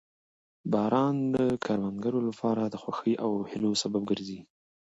باران د کروندګرو لپاره د خوښۍ او هیلو سبب ګرځي